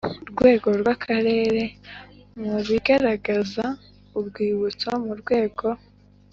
Rwego rw akarere mu bigaragaza urwibutso mu rwego